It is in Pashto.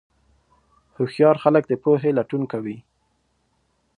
هوښیار خلک د پوهې لټون کوي.